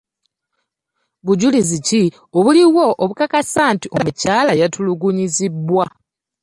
Bujulizi ki obuliwo obukakasa nti omukyala yatulugunyizibwa?